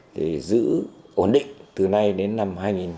thì giữ ổn định từ nay đến năm hai nghìn hai mươi